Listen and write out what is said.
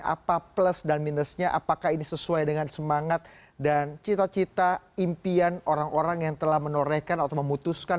apa plus dan minusnya apakah ini sesuai dengan semangat dan cita cita impian orang orang yang telah menorehkan atau memutuskan